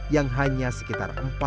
yang hanya sekitar